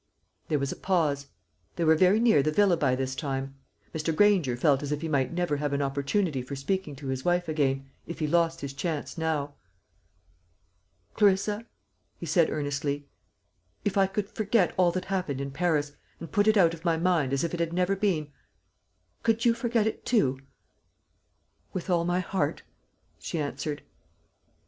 There was a pause. They were very near the villa by this time. Mr. Granger felt as if he might never have an opportunity for speaking to his wife again, if he lost his chance now. "Clarissa," he said earnestly, "if I could forget all that happened in Paris, and put it out of my mind as if it had never been, could you forget it too?" "With all my heart," she answered.